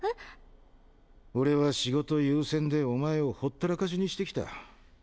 俺は仕事優先でお前をほったらかしにしてきた。